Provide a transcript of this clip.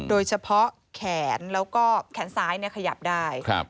โดยเฉพาะแขนแล้วก็แขนซ้ายเนี่ยขยับได้ครับ